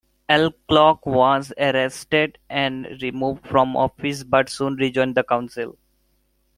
Alcock was arrested and removed from office but soon rejoined the Council.